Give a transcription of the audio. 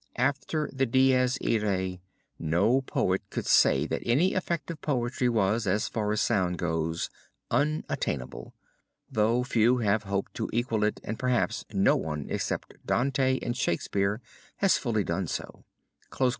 After the Dies Irae, no poet could say that any effect of poetry was, as far as sound goes, unattainable, though few could have hoped to equal it, and perhaps no one except Dante and Shakespeare has fully done so."